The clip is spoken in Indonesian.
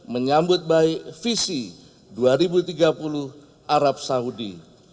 menyambut baik visi dua ribu tiga puluh arab saudi